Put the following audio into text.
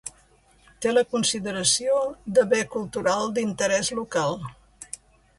Té la consideració de Bé Cultural d'Interès Local.